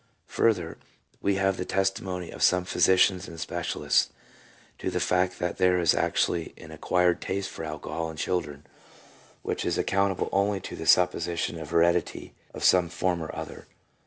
Further, we have the testimony of some physicians and specialists to the fact that there is actually an acquired taste for alcohol in children which is ac countable only on the supposition of heredity of some form or other.